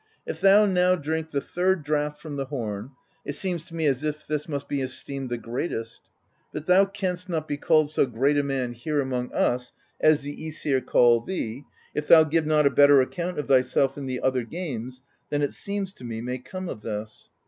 If thou now drink the third draught from the horn, it seems to me as if this must be esteemed the greatest; but thou canst not be called so great a man here among us as the iEsir call thee, if thou give not a better account of thyself in the other games than it seems to me may come of this.'